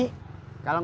kalau gak suka bawa aja